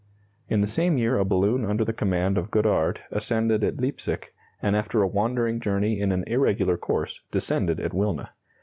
In the same year a balloon under the command of Godard ascended at Leipsic, and after a wandering journey in an irregular course, descended at Wilna.